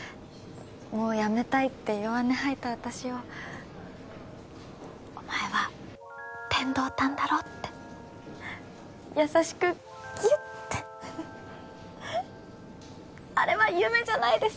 もう辞めたいって弱音吐いた私を「お前は天堂担だろ」って優しくギュッてあれは夢じゃないです